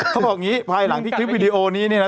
เขาบอกอย่างนี้ภายหลังที่คลิปวิดีโอนี้เนี่ยนะ